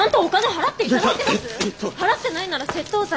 払ってないなら窃盗罪！